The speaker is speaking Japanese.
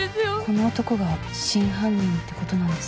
この男が真犯人ってことなんですか？